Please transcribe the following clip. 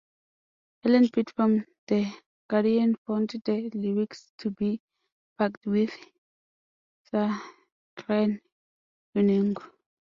Helen Pidd from "The Guardian" found the lyrics to be "packed with saccharine innuendo.